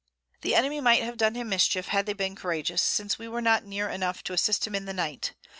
The Enemy might have done him Mischief, had they been couragious, since we were not near enough to assist him in the Night.